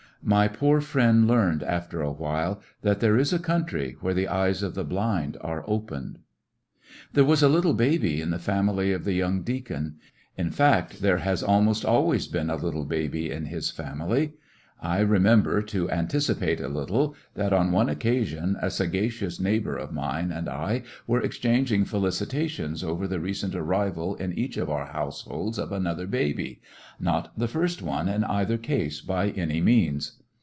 My poor friend learned after a while that there is a country where the eyes of the blind are opened. There was a little baby in the family of the TTie/ffteen'cent young deacon ; in fact, there has almost always ^^ been a little baby in his family. I remember, 11 KecoCCections of a to anticipate a little, that on one occasion a sagacious neighbor of mine and I were ex changing felicitations over the recent arrival in each of our households of another baby not the first one in either case, by any means.